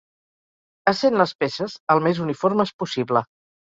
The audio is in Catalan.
Essent les peces el més uniformes possible.